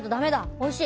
おいしい。